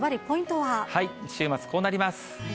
週末、こうなります。